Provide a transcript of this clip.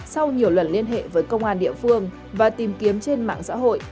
sau nhiều lần liên hệ với công an địa phương và tìm kiếm trên mạng xã hội